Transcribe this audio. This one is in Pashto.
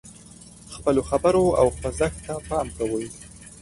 خپلو خبرو او خوځښت ته پام کوي.